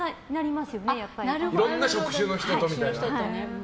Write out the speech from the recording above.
いろんな職種の人とみたいな。